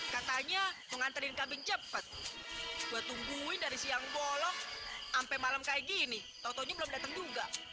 katanya mengantarin kambing cepat gue tungguin dari siang bolong sampai malam kayak gini tontonya belum datang juga